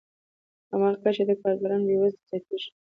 په هماغه کچه د کارګرانو بې وزلي زیاتېږي